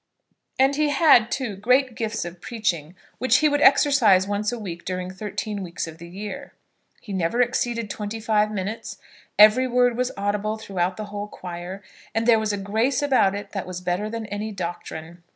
And he had, too, great gifts of preaching, which he would exercise once a week during thirteen weeks of the year. He never exceeded twenty five minutes; every word was audible throughout the whole choir, and there was a grace about it that was better than any doctrine.